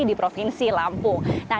di provinsi lampung